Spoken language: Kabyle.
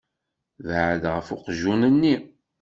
Beɛɛed ɣef uqjun-nni.